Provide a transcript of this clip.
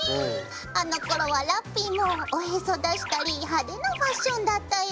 あのころはラッピィもおへそ出したり派手なファッションだったよ。